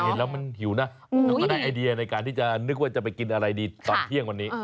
เห็นแล้วมันหิวนะแล้วก็ได้ไอเดียในการที่จะนึกว่าจะไปกินอะไรดีตอนเที่ยงวันนี้